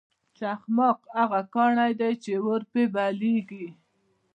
چخماق هغه کاڼی دی چې اور پرې بلیږي.